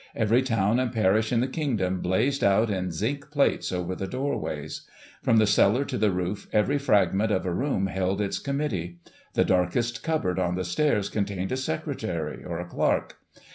Every town and parish in the Kingdom blazed out in zinc plates over the doorways. From the cellar to the roof, every fragment of a room held its committee. The darkest cupboard on the stairs contained a secretary, or a clerk.